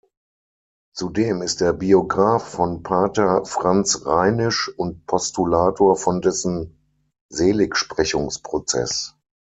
Zudem ist er Biograf von Pater Franz Reinisch und Postulator von dessen Seligsprechungsprozess.